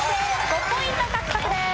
５ポイント獲得です。